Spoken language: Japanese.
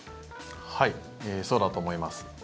はい、そうだと思います。